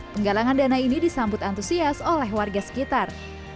penggalangan dana ini disambut antusias oleh warga sekitar